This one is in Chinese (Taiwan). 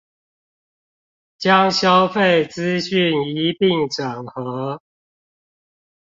將消費資訊一併整合